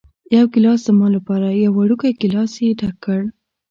یو ګېلاس زما لپاره، یو وړوکی ګېلاس یې ډک کړ.